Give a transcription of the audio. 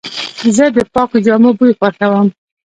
زه د پاکو جامو بوی خوښوم.